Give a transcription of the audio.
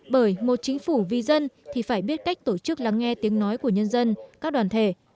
bởi một chính phủ vi dân thì phải biết cách tổ chức lắng nghe tiếng nói của nhân dân các đoàn thể